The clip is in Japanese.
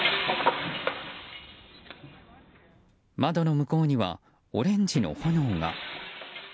窓の向こうにはオレンジの炎が。